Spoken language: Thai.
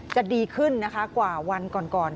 จะดีขึ้นนะคะกว่าวันก่อน